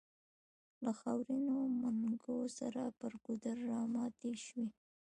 له خاورينو منګو سره پر ګودر راماتې شوې.